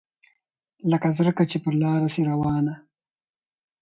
لکه زرکه چي پر لاره سي روانه